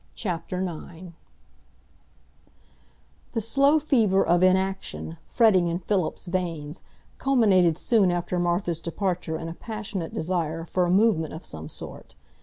CHAPTER IX The slow fever of inaction, fretting in Philip's veins, culminated soon after Martha's departure in a passionate desire for a movement of some sort.